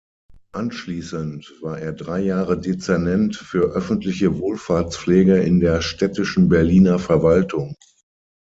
Anschließend war er drei Jahre Dezernent für öffentliche Wohlfahrtspflege in der städtischen Berliner Verwaltung.